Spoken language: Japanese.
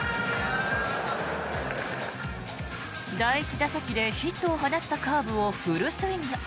第１打席でヒットを放ったカーブをフルスイング。